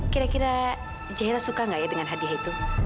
kira kira jahira suka nggak ya dengan hadiah itu